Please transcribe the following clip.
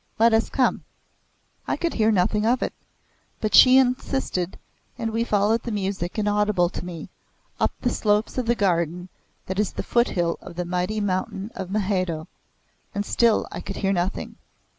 Let us come!" I could hear nothing of it, but she insisted and we followed the music, inaudible to me, up the slopes of the garden that is the foot hill of the mighty mountain of Mahadeo, and still I could hear nothing.